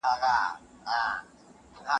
استاد شاګرد ته د اړتیا وړ کتابونه وښودل.